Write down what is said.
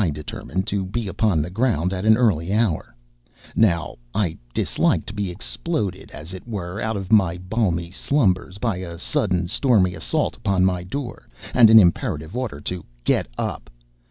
I determined to be upon the ground at an early hour. Now I dislike to be exploded, as it were, out of my balmy slumbers, by a sudden, stormy assault upon my door, and an imperative order to "Get up!"